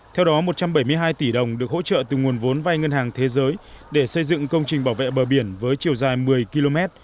theo đó một trăm bảy mươi hai tỷ đồng được hỗ trợ từ nguồn vốn vai ngân hàng thế giới để xây dựng công trình bảo vệ bờ biển với chiều dài một mươi km